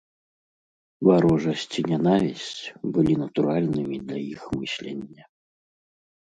Варожасць і нянавісць былі натуральнымі для іх мыслення.